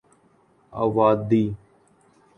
اوادھی